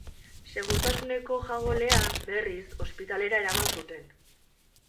Segurtasuneko jagolea, berriz, ospitalera eraman zuten.